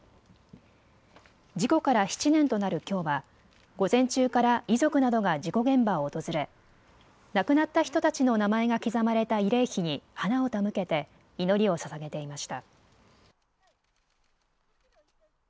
事故から７年となるきょうは午前中から遺族などが事故現場を訪れ亡くなった人たちの名前が刻まれた慰霊碑に花を手向けて祈りをささげていました。